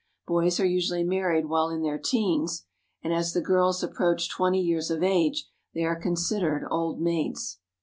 Boys are usually married while in their teens, and as the girls approach twenty years of age they are considered old maids.